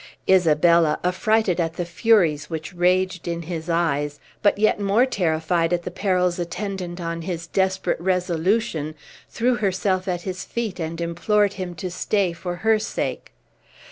Isabella, affrighted at the furies which raged in his eyes, but yet more terrified at the perils attendant on his desperate resolution, threw herself at his feet, and implored him to stay for her sake.